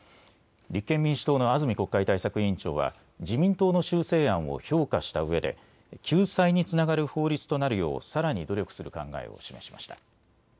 立憲民主党の安住国会対策委員長は自民党の修正案を評価したうえで救済につながる法律となるようさらに努力する考えを示しました。